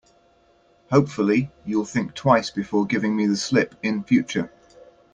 Hopefully, you'll think twice before giving me the slip in future.